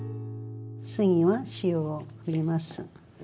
次は塩を入れます。